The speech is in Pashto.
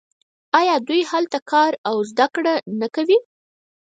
آیا دوی هلته کار او زده کړه نه کوي؟